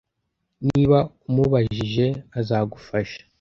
Niba umubajije azagufasha